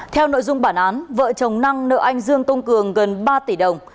theo nội dung bản án vợ chồng năng nợ anh dương công cường gần ba tỷ đồng